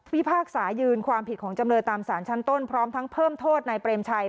พากษายืนความผิดของจำเลยตามสารชั้นต้นพร้อมทั้งเพิ่มโทษนายเปรมชัย